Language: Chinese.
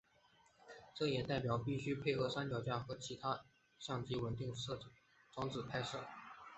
这也代表必须配合三脚架或其他相机稳定装置拍摄。